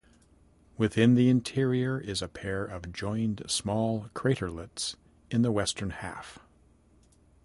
Within the interior is a pair of joined small craterlets in the western half.